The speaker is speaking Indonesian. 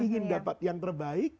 ingin dapat yang terbaik